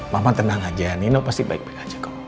mama tenang aja nino pasti baik baik aja kok